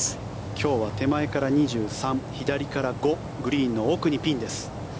今日は手前から２３左から５グリーンの奥にピンです。